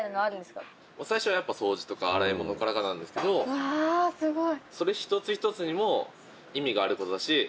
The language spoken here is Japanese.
うわすごい。